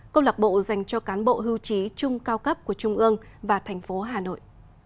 câu lạc bộ dành cho cán bộ hưu trí trung cao cấp của trung ương và thành phố hà nội